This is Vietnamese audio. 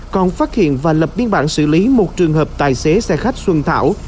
còn phát hiện và lập biên bản xử lý một trường hợp tài xế xe khách xuân thảo